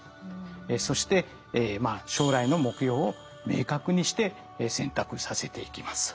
そして将来の目標を明確にして選択させていきます。